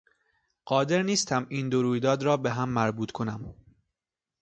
قادر نیستم این دو رویداد را به هم مربوط کنم.